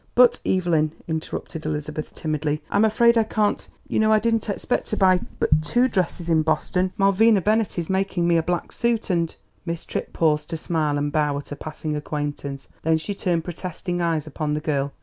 "But, Evelyn," interrupted Elizabeth timidly, "I'm afraid I can't You know I didn't expect to buy but two dresses in Boston. Malvina Bennett is making me a black silk, and " Miss Tripp paused to smile and bow at a passing acquaintance; then she turned protesting eyes upon the girl.